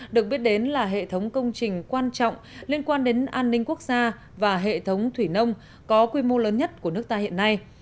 được biết đến là hệ thống công trình quan trọng liên quan đến an ninh quốc gia và hệ thống thủy nông có quy mô lớn nhất của nước ta hiện nay